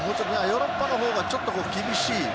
ヨーロッパのほうがちょっと厳しい。